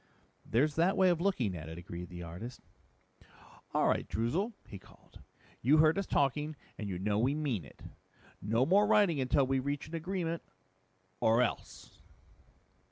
"There's that way of looking at it," agreed the artist. "All right, Droozle," he called. "You heard us talking and you know we mean it. No more writing until we reach an agreement or else!"